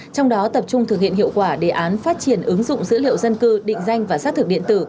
trong đó tập trung thực hiện hiệu quả đề án phát triển ứng dụng dữ liệu dân cư định danh và xác thực điện tử